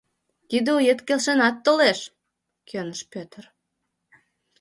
— Тиде оет келшенат толеш, — кӧныш Петр.